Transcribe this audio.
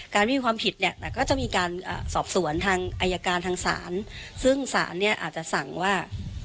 ไม่มีความผิดเนี่ยแต่ก็จะมีการสอบสวนทางอายการทางศาลซึ่งศาลเนี่ยอาจจะสั่งว่า